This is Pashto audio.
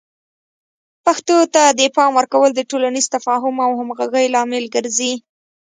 پښتو ته د پام ورکول د ټولنیز تفاهم او همغږۍ لامل ګرځي.